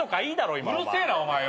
うるせえなお前よ。